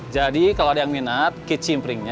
jadi kalau ada yang minat ke cimpringnya